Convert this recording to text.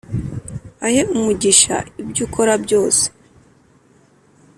ahe umugisha ibyo ukora byose.